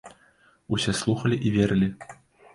Усе слухалі і верылі.